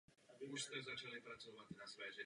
Živí se jako soukromý zemědělec.